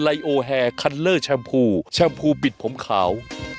เดี๋ยวกลับมาค่ะ